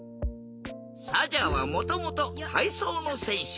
サジャはもともとたいそうのせんしゅ。